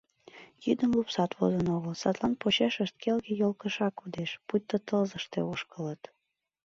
Йӱдым лупсат возын огыл, садлан почешышт келге йолкыша кодеш, пуйто Тылзыште ошкылыт.